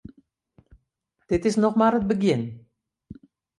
Dit is noch mar it begjin.